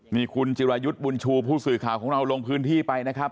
นี่คุณจิรายุทธ์บุญชูผู้สื่อข่าวของเราลงพื้นที่ไปนะครับ